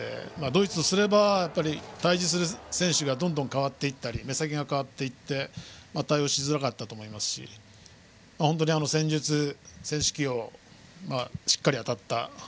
ドイツとすれば対峙する選手がどんどん変わっていったり目先が変わっていって対応しづらかったと思いますし本当に戦術、選手起用がしっかり当たった。